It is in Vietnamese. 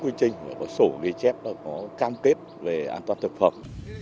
đúng theo quy trình có sổ gây chép có cam kết về an toàn thực phẩm